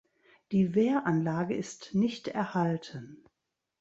Die Wehranlage ist nicht erhalten.